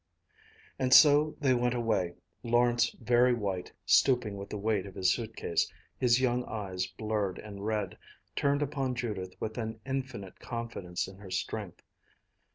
"" And so they went away, Lawrence very white, stooping with the weight of his suitcase, his young eyes, blurred and red, turned upon Judith with an infinite confidence in her strength.